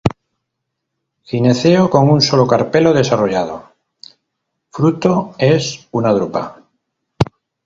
Gineceo con un solo carpelo desarrollado; fruto es una drupa.